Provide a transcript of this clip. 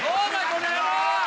この野郎。